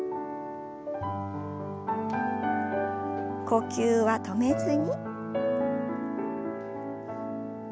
呼吸は止めずに。